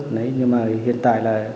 nhưng mà hiện tại là